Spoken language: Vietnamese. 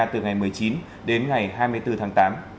từ ngày một mươi chín đến ngày hai mươi bốn tháng tám